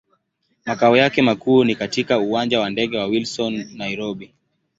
Makao yake makuu ni katika Uwanja wa ndege wa Wilson, Nairobi.